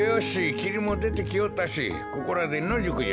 きりもでてきよったしここらでのじゅくじゃ。